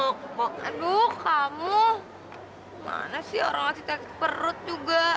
aduh kamu mana sih orang asli takut perut juga